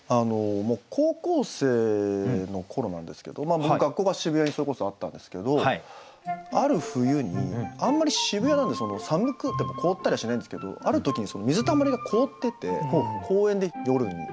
高校生の頃なんですけど僕学校が渋谷にそれこそあったんですけどある冬にあんまり渋谷なんで寒くても凍ったりはしないんですけどある時に水たまりが凍ってて公園で夜に。